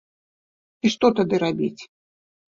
І што тады рабіць?